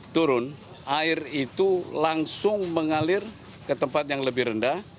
turun air itu langsung mengalir ke tempat yang lebih rendah